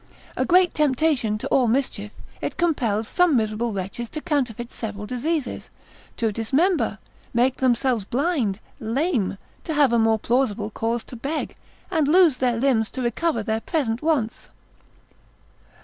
A great temptation to all mischief, it compels some miserable wretches to counterfeit several diseases, to dismember, make themselves blind, lame, to have a more plausible cause to beg, and lose their limbs to recover their present wants.